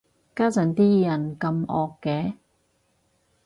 家陣啲人咁惡嘅